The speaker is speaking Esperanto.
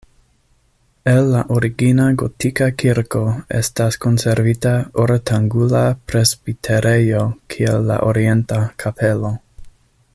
El la origina gotika kirko estas konservita ortangula presbiterejo kiel la orienta kapelo.